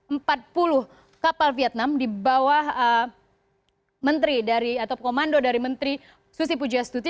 empat puluh kapal vietnam di bawah menteri dari atau komando dari menteri susi pujastuti